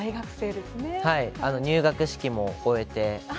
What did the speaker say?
入学式も終えて。